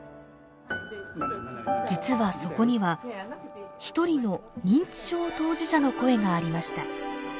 実はそこには一人の認知症当事者の声がありました。